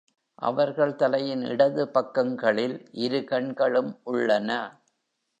அவர்கள் தலையின் இடது பக்கங்களில் இரு கண்களும் உள்ளன.